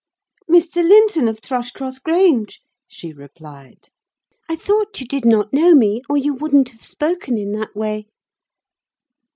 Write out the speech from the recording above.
"Mr. Linton of Thrushcross Grange," she replied. "I thought you did not know me, or you wouldn't have spoken in that way."